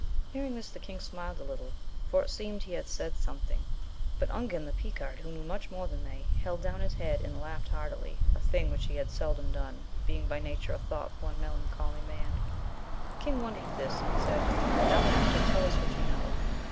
Hearing this the king smiled a little, for it seemed he had said something.* But Ungan the Picard, who knew much more than they, held down his head and laughed heartily, a thing which he had seldom done, being by nature a thoughtful and melan choly man. The king wondered at this, and said, now master tell us what you know.